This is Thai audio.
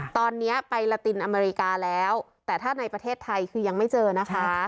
ตอนนี้ไปลาตินอเมริกาแล้วแต่ถ้าในประเทศไทยคือยังไม่เจอนะคะ